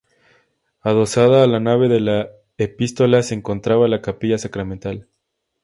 Adosada a la nave de la Epístola se encontraba la Capilla Sacramental.